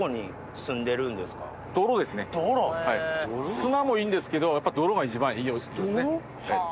砂もいいんですけどやっぱ泥が一番栄養を吸ってますね。